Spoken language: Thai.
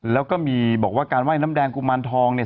แล้วก็มีบอกว่าการไห้น้ำแดงกุมารทองเนี่ย